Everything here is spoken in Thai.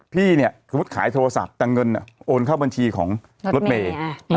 พี่เนี่ยสมมุติขายโทรศัพท์แต่เงินโอนเข้าบัญชีของรถเมย์